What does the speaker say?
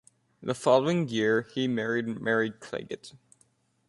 The following year, he married Mary Clagett.